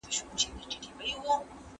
زه مخکي مڼې خوړلي وو؟!